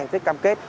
rất cam kết